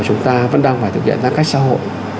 chúng ta vẫn đang phải thực hiện giãn cách xã hội